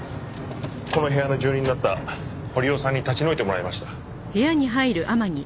この部屋の住人だった堀尾さんに立ち退いてもらいました。